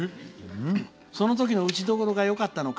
そのとき打ちどころがよかったのか